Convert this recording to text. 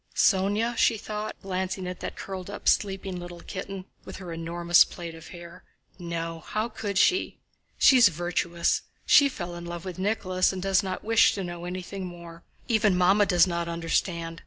"Sónya?" she thought, glancing at that curled up, sleeping little kitten with her enormous plait of hair. "No, how could she? She's virtuous. She fell in love with Nicholas and does not wish to know anything more. Even Mamma does not understand.